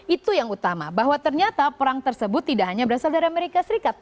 itu yang utama bahwa ternyata perang tersebut tidak hanya berasal dari amerika serikat